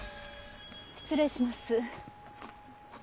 失礼します。